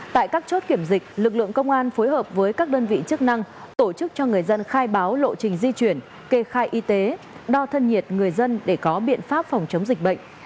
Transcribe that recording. tại các chốt kiểm dịch lực lượng công an phối hợp với các đơn vị chức năng tổ chức cho người dân khai báo lộ trình di chuyển kê khai y tế đo thân nhiệt người dân để có biện pháp phòng chống dịch bệnh